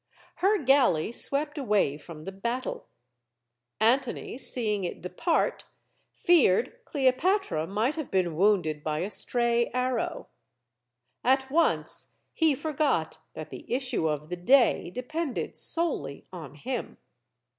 Her galley swept away from the battle. Antony, seeing it depart, feared Cleopatra might have been wounded by a stray arrow. At once he forgot that the issue of the day depended solely on him.